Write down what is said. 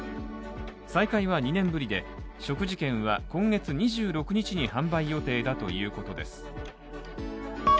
再開は２年ぶりで食事券は今月２６日に販売予定だということです。